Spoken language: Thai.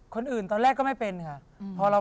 คนอื่นตอนแรกก็ไม่เป็นค่ะ